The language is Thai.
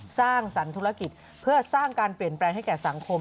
สร้างสรรค์ธุรกิจเพื่อสร้างการเปลี่ยนแปลงให้แก่สังคม